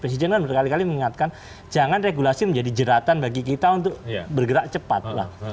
presiden kan berkali kali mengingatkan jangan regulasi menjadi jeratan bagi kita untuk bergerak cepat